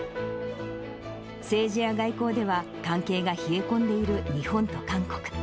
政治や外交では、関係が冷え込んでいる日本と韓国。